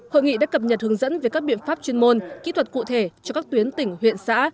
hội nghị đã cập nhật hướng dẫn về các biện pháp chuyên môn kỹ thuật cụ thể cho các tuyến tỉnh huyện xã